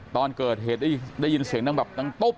ตอนเกิดเหตุได้ยินเสียงดังแบบดังตุ๊บ